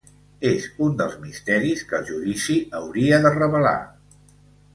És un dels misteris que el judici hauria de revelar.